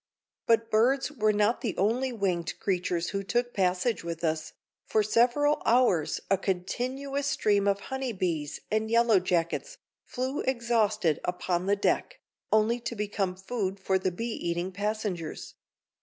But birds were not the only winged creatures who took passage with us. For several hours a continuous stream of honey bees and yellow jackets flew exhausted upon the deck, only to become food for the bee eating passengers.